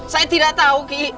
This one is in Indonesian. saya tidak tahu ki